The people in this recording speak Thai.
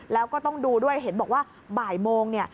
เราก็ต้องดูด้วยเห็นว่าบ่ายโมง